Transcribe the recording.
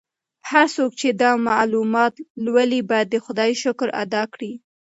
هر څوک چې دا معلومات لولي باید د خدای شکر ادا کړي.